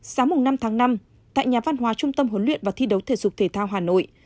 sáng năm tháng năm tại nhà văn hóa trung tâm huấn luyện và thi đấu thể dục thể thao hà nội